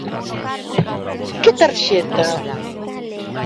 ¿Que tarxeta?